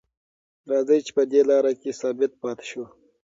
راځئ چې په دې لاره کې ثابت پاتې شو.